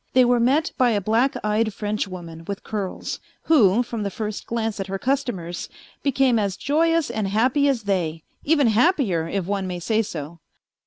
They were met by a black eyed Frenchwoman with curls, who, from the first glance at her customers, became as joyous and happy as they, even happier, if one may say so.